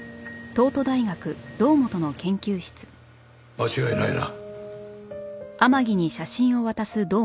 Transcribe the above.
間違いないな。